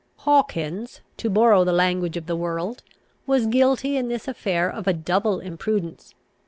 Hawkins (to borrow the language of the world) was guilty in this affair of a double imprudence.